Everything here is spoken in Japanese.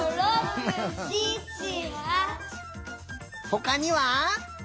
ほかには？